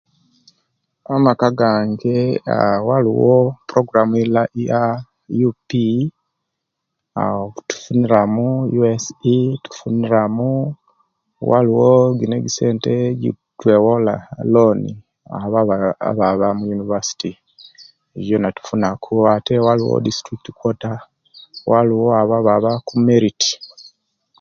Amaka gange waliwo eprogramu eya aa UPE awo tufuniramu USE tufuniramu waliwo gino esente ejitwewola eloni abo ababa mu univasti ejo jona tufuna ku ate waliwo district kwota abo baba kumerit